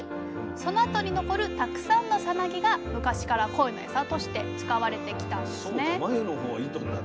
そのあとに残るたくさんのサナギが昔からコイのエサとして使われてきたんですね。